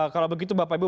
kalau begitu bapak ibu